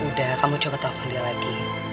udah kamu coba telepon dia lagi